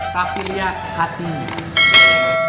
tapi liat hatinya